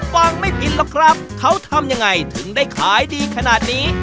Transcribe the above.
ฟังไม่ผิดหรอกครับเขาทำยังไงถึงได้ขายดีขนาดนี้